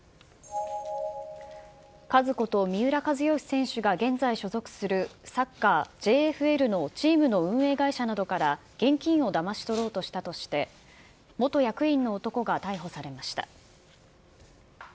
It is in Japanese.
カズこと三浦知良選手が現在所属するサッカーＪＦＬのチームの運営会社などから、現金をだまし取ろうとしたとして、元役員の男が逮捕されました。